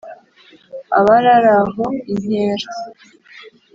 Abararaho inkera